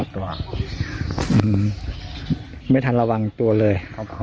เบิร์ตลมเสียโอ้โห